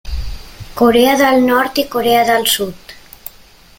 Corea del Nord i Corea del Sud.